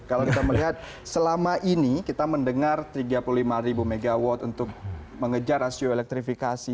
kalau kita melihat selama ini kita mendengar tiga puluh lima ribu megawatt untuk mengejar rasio elektrifikasi